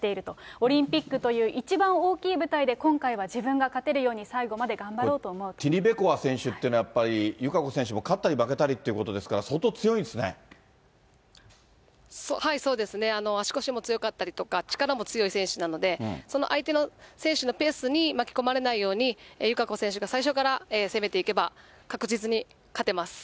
オリンピックという一番大きい舞台で今回は自分が勝てるように、ティニベコワ選手というのは、友香子選手も勝ったり負けたりということですから、相当強いんでそうですね、足腰も強かったりとか、力も強い選手なので、その相手の選手のペースに巻き込まれないように、友香子選手が最初から攻めていけば、確実に勝てます。